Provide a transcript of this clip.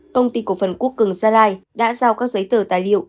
công ty cổ phần quốc cường gia lai đã giao các giấy tờ tài liệu